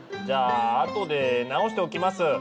じゃああとで直しておきます。